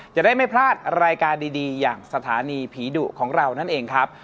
จะได้ไม่พลาดรายการดีอย่างสถานีผีดุของเรานั่นเองครับ